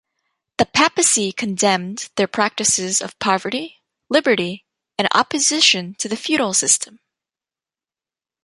The Papacy condemned their practices of poverty, liberty and opposition to the feudal system.